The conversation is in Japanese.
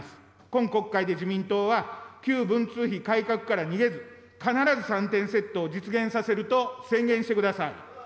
今国会で自民党は旧文通費改革から逃げず、必ず３点セットを実現させると宣言してください。